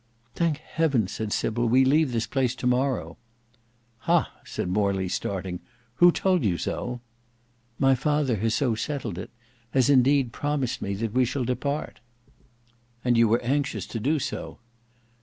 "Thank Heaven," said Sybil, "we leave this place to morrow." "Hah!" said Morley starting, "who told you so?" "My father has so settled it; has indeed promised me that we shall depart." "And you were anxious to do so."